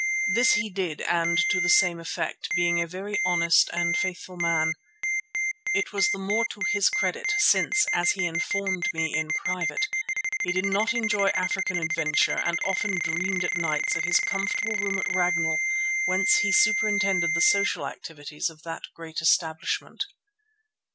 This he did and to the same effect, being a very honest and faithful man. It was the more to his credit since, as he informed me in private, he did not enjoy African adventure and often dreamed at nights of his comfortable room at Ragnall whence he superintended the social activities of that great establishment.